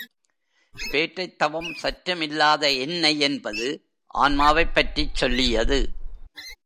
பேற்றைத் தவம் சற்றும் இல்லாத என்னை என்பது ஆன்மாவைப் பற்றிச் சொல்லியது.